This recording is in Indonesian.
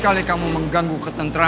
ada tamu tidak diminta